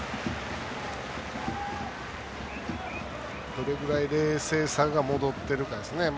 どれぐらい冷静さが戻ってるかですね。